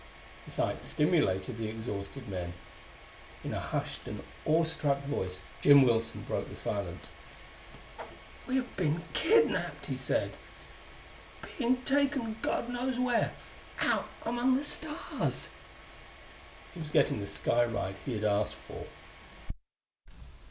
The sight stimulated the exhausted men. In a hushed and awestruck voice, Jim Wilson broke the silence. "We've been kidnaped," he said. "Being taken God knows where, out among the stars...." He was getting the sky ride he had asked for.